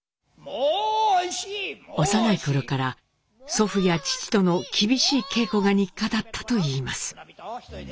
幼い頃から祖父や父との厳しい稽古が日課だったといいます。